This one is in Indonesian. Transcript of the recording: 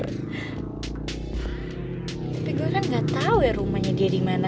tapi gue kan ga tau ya rumahnya dia dimana